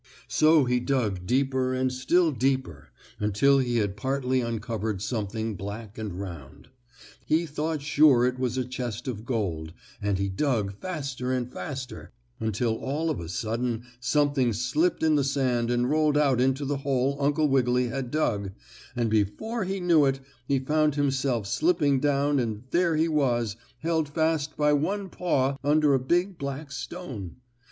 So he dug deeper and still deeper until he had partly uncovered something black and round. He thought sure it was a chest of gold, and he dug faster and faster, until all of a sudden something slipped in the sand and rolled out into the hole Uncle Wiggily had dug, and, before he knew it, he found himself slipping down and there he was, held fast by one paw, under a big black stone.